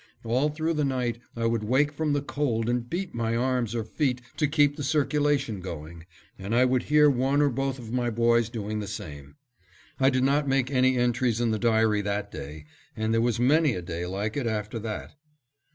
All through the night I would wake from the cold and beat my arms or feet to keep the circulation going, and I would hear one or both of my boys doing the same. I did not make any entries in the diary that day, and there was many a day like it after that.